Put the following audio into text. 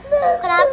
oh kenapa abi bi